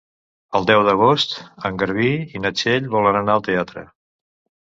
El deu d'agost en Garbí i na Txell volen anar al teatre.